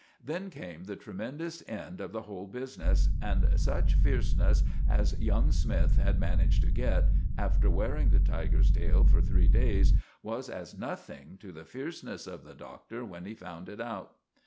Then came the tremendous end of the whole business, and such fierceness as young Smythe had managed to get, after wearing the tiger's tail for three days, was as nothing to the fierceness of the Doctor when he found it out.